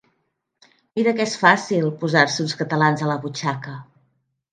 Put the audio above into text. Mira que és fàcil, posar-se uns catalans a la butxaca!